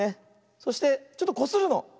そしてちょっとこするの。